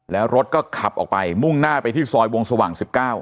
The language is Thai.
แล้วรถก็ขับออกไปมุ่งหน้าไปที่ซอยวงสว่าง๑๙